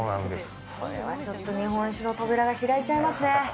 これは、ちょっと日本酒の扉が開いちゃいますね。